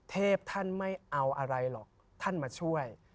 เทพท่านไม่เอาอะไรหรอกท่านมาช่วย